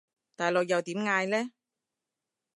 大陸又點嗌呢？